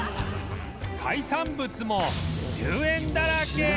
海産物も１０円だらけ